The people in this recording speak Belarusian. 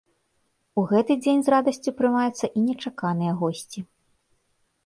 У гэты дзень з радасцю прымаюцца і нечаканыя госці.